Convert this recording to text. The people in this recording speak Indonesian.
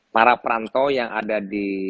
para perantau yang ada di